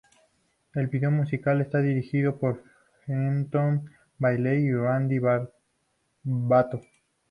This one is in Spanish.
El video musical está dirigido por Fenton Bailey y Randy Barbato.